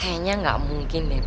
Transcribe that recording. kayaknya gak mungkin deh pak